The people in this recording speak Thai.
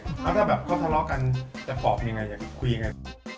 แล้วถ้าแบบก็ทะเลาะกันจะฟอกมันยังไงคุยยังไง